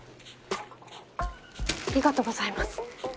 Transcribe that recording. ありがとうございます。